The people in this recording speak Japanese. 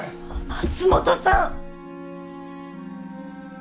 松本さん！